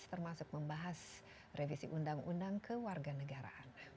termasuk membahas revisi undang undang ke warga negara